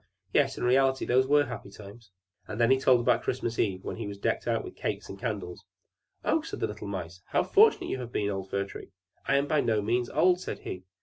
"Yes, in reality those were happy times." And then he told about Christmas eve, when he was decked out with cakes and candles. "Oh," said the little Mice, "how fortunate you have been, old Fir Tree!" "I am by no means old," said he.